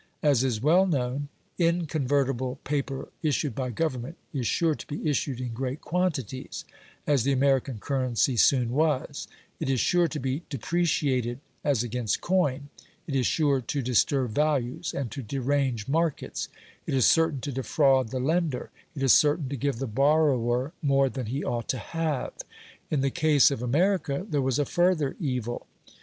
As is well known, inconvertible paper issued by Government is sure to be issued in great quantities, as the American currency soon was; it is sure to be depreciated as against coin; it is sure to disturb values and to derange markets; it is certain to defraud the lender; it is certain to give the borrower more than he ought to have. In the case of America there was a further evil.